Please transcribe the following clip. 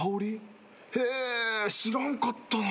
へぇ知らんかったな。